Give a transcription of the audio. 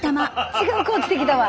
違う子落ちてきたわ。